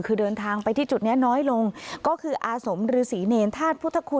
คือเดินทางไปที่จุดนี้น้อยลงก็คืออาสมฤษีเนรธาตุพุทธคุณ